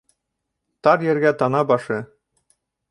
Тар ергә тана башы.